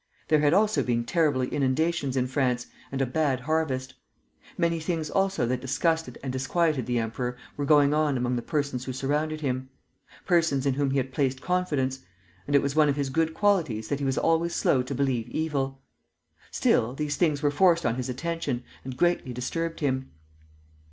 There had also been terrible inundations in France, and a bad harvest. Many things also that disgusted and disquieted the emperor were going on among the persons who surrounded him, persons in whom he had placed confidence; and it was one of his good qualities that he was always slow to believe evil. Still, these things were forced on his attention, and greatly disturbed him.